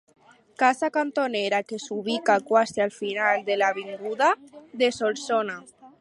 Casa cantonera que s'ubica quasi al final de l'avinguda de Solsona.